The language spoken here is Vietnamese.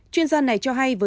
chuyên gia này cho hay với